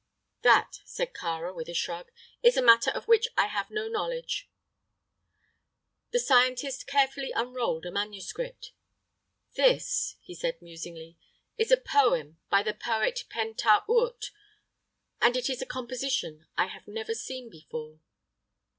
"That," said Kāra, with a shrug, "is a matter of which I have no knowledge." The scientist carefully unrolled a manuscript. "This," he said, musingly, "is a poem by the poet Pen ta urt. And it is a composition I have never seen before."